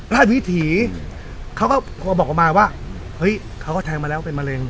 ราชวิถีเขาก็พอบอกออกมาว่าเฮ้ยเขาก็แทงมาแล้วเป็นมะเร็ง